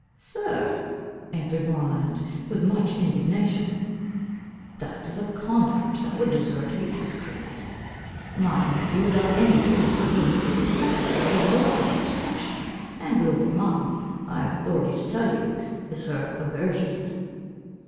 "Sir," answered Moreland, with much indignation, "that is a conduct that would deserve to be execrated. My nephew, without any sinister means, is master of your daughter's affection; and lord Martin, I have authority to tell you, is her aversion."